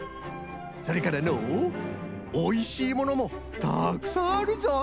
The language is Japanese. それからのうおいしいものもたくさんあるぞい！